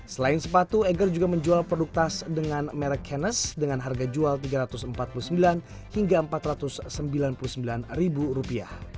selain sepatu eger juga menjual produk tas dengan merek kenes dengan harga jual rp tiga ratus empat puluh sembilan hingga rp empat ratus sembilan puluh sembilan